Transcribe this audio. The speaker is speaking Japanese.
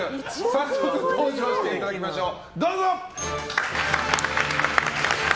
早速登場していただきましょう。